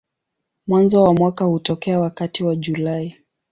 Mwanzo wa mwaka hutokea wakati wa Julai.